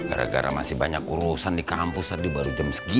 gara gara masih banyak urusan di kampus tadi baru jam segi